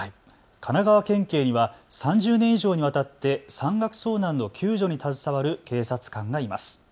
神奈川県警には３０年以上にわたって山岳遭難の救助に携わる警察官がいます。